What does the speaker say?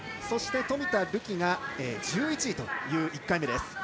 そして、冨田るきが１１位という１回目です。